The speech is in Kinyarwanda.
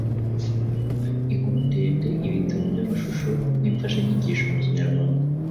inkuru ndende, ibitabo by’amashusho n’imfashanyigisho mu kinyarwanda.